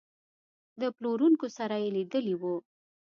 د پلورونکو سره یې لیدلي وو.